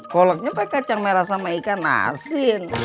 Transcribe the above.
koloknya pakai kacang merah sama ikan asin